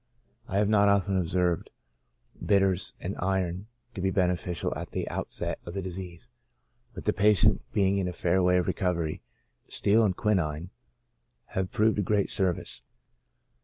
I have not often observed bitters and iron to be beneficial at the outset of the disease, but the patient being in a fair way of recovery, steel and quinine have proved of great service.